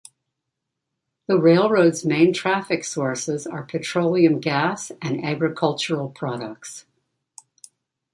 The railroad's main traffic sources are petroleum gas and agricultural products.